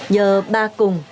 giờ ba cùng